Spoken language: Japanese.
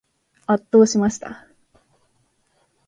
圧倒しました。